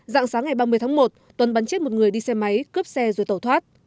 dạng sáng ngày ba mươi tháng một tuấn bắn chết một người đi xe máy cướp xe rồi tẩu thoát